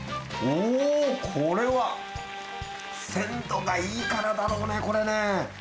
おー、これは鮮度がいいからだろうね、これね。